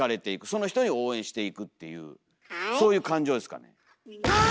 その人を応援していくっていうそういう感情ですかね。